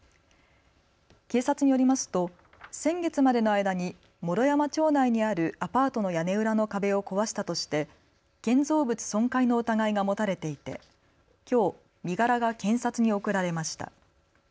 警察によりますと先月までの間に毛呂山町内にあるアパートの屋根裏の壁を壊したとして建造物損壊の疑いが持たれていてきょう身柄が検察に送られました。